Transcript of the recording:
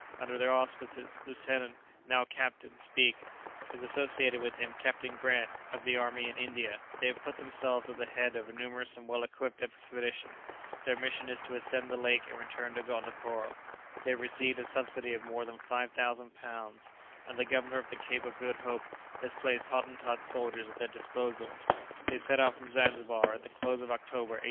Under their auspices, Lieutenant (now Captain) Speke has associated with him Captain Grant, of the army in India; they have put themselves at the head of a numerous and well equipped expedition; their mission is to ascend the lake and return to Gondokoro; they have received a subsidy of more than five thousand pounds, and the Governor of the Cape of Good Hope has placed Hottentot soldiers at their disposal; they set out from Zanzibar at the close of October, 1860.